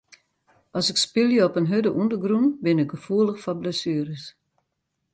As ik spylje op in hurde ûndergrûn bin ik gefoelich foar blessueres.